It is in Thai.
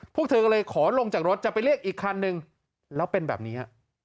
พวกเธอก็เลยขอลงจากรถจะไปเรียกอีกคันนึงแล้วเป็นแบบนี้ฮะ